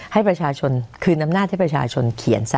ให้ประชาชนคือน้ำหน้าที่ประชาชนเขียนซะ